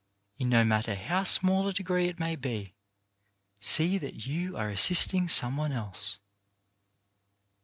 In no matter how small a degree it may be, see that you are assisting some one else.